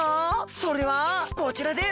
それはこちらです！